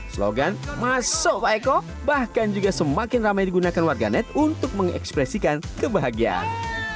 slogan masuk pak eko bahkan juga semakin ramai digunakan warganet untuk mengekspresikan kebahagiaan